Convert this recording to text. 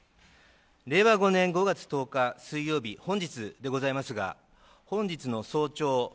令和５年５月１０日水曜日本日でございますが本日の早朝